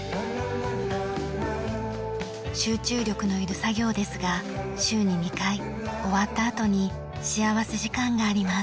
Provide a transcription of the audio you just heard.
集中力のいる作業ですが週に２回終わったあとに幸福時間があります。